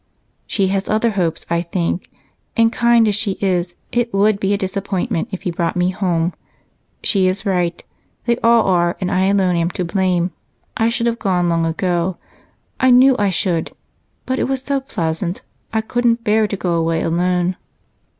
"She has other hopes, I think, and kind as she is, it would be a disappointment if he brought me home. She is right, they all are, and I alone am to blame. I should have gone long ago I knew I should, but it was so pleasant, I couldn't bear to go away alone."